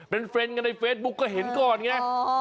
เป็นเฟรนด์กันในเฟซบุ๊กก็เห็นก่อนไง